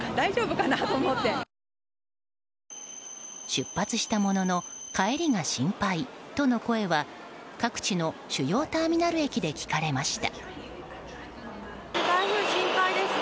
出発したものの帰りが心配との声は各地の主要ターミナル駅で聞かれました。